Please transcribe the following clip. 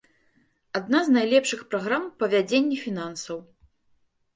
Адна з найлепшых праграм па вядзенні фінансаў.